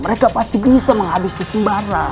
mereka pasti bisa menghabisi sembarang